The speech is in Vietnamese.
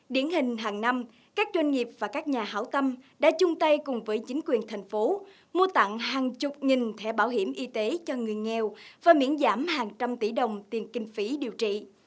điển hình hàng năm các doanh nghiệp và các nhà hảo tâm đã chung tay cùng với chính quyền thành phố mua tặng hàng chục nghìn thẻ bảo hiểm y tế cho người nghèo và miễn giảm hàng trăm tỷ đồng tiền kinh phí điều trị